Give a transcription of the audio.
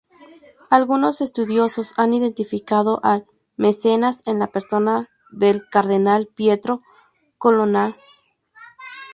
Algunos estudiosos han identificado al mecenas en la persona del cardenal Pietro Colonna.